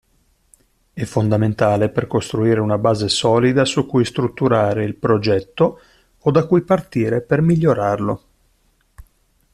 È fondamentale per costruire una base solida su cui strutturare il progetto o da cui partire per migliorarlo.